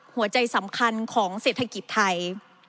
หัวใจสำคัญของเศรษฐกิจไทย